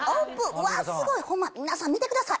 うわっすごいホンマ皆さん見てください。